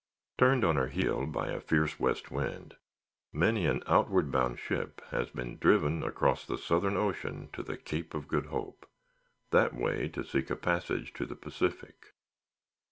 Turned on her heel by a fierce west wind, many an outward bound ship has been driven across the southern Ocean to the Cape of Good Hope—that way to seek a passage to the Pacific.